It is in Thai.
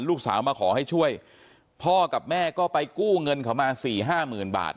ลูกสาวมาขอให้ช่วยพ่อกับแม่ก็ไปกู้เงินเขามาสี่ห้าหมื่นบาท